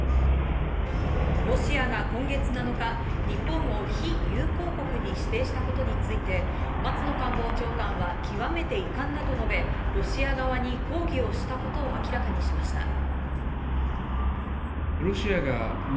ロシアが今月７日、日本を非友好国に指定したことについて、松野官房長官は極めて遺憾だと述べ、ロシア側に抗議をしたことを明らかにしました。